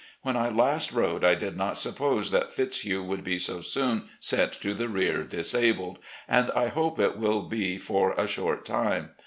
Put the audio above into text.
When I last wrote I did not suppose that Fitzhugh would be so soon sent to the rear disabled, and I hope it will be for a short time.